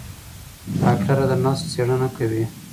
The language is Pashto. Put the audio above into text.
ډاکټره د نسج څېړنه کوي.